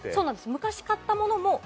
昔に買ったものも？